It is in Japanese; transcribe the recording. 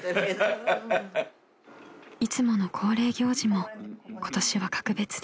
［いつもの恒例行事も今年は格別です］